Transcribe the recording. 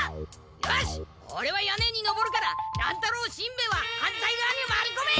よしおれは屋根に登るから乱太郎しんべヱは反対がわに回りこめ！